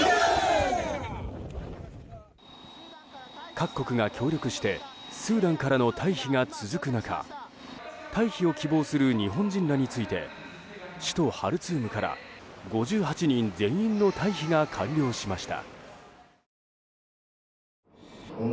各国が協力してスーダンからの退避が続く中退避を希望する日本人らについて首都ハルツームから５８人全員の退避が完了しました。